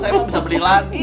saya mau bisa beli lagi